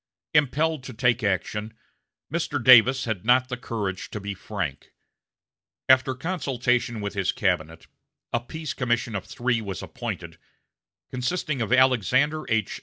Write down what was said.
Impelled to take action, Mr. Davis had not the courage to be frank. After consultation with his cabinet, a peace commission of three was appointed, consisting of Alexander H.